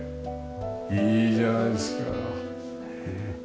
いいじゃないですか。